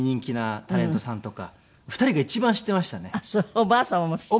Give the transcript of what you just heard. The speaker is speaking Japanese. おばあ様も知っているの？